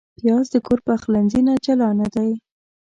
پیاز د کور پخلنځي نه جلا نه دی